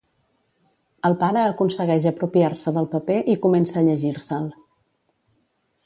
El pare aconsegueix apropiar-se del paper i comença a llegir-se'l.